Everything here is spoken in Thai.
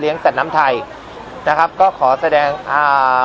พอเลี้ยงแสดงน้ำไทยนะครับก็ขอแสดงอ่า